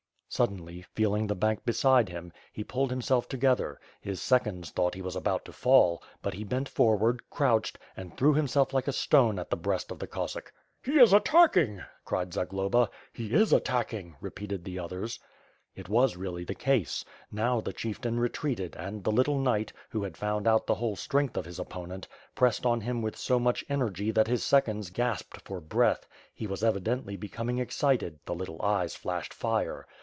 Suddenly, feeling the bank beside him, ne pulled himself together; his seconds thought he was about to fall; but he bent forward, crouched, and threw himself like a stone at the brea»t of the Cossack. "He is attacking/^ cried Zagloba. "He is attacking/^ repeated the others. It was really the case. Now, the chieftain retreated and the little knight, who had found out the whole strength of his opponent, pressed on him with so much energy that his seconds gasped for breath. He was evidently becoming ex cited— the little eyes flashed fire.